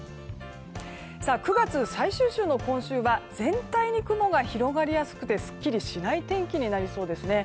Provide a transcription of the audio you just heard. ９月最終週の今週は全体に雲が広がりやすくてすっきりしない天気になりそうですね。